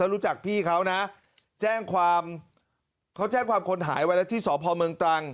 รู้จักพี่เขานะแจ้งความเขาแจ้งความคนหายไว้แล้วที่สพเมืองตรัง